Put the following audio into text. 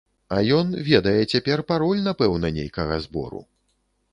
А ён ведае цяпер пароль напэўна нейкага збору.